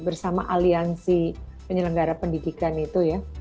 bersama aliansi penyelenggara pendidikan itu ya